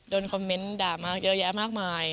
โดนคอมเมนต์ด่ามากเยอะแยะมากมาย